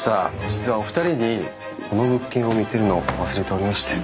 実はお二人にこの物件を見せるのを忘れておりまして。